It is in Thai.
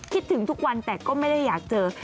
คิดถึงทุกวันแต่ก็ไม่ได้อยากเจอ